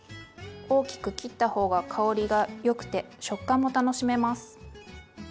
大きく切った方が香りがよくて食感も楽しめます。